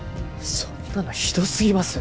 そんなのひどすぎます